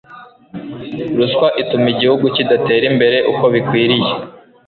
Ruswa ituma igihugu kidatera imbere uko bikwiriye